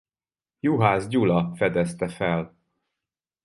Juhász Gyula fedezte fel.